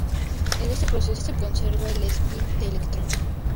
En este proceso se conserva el espín del electrón.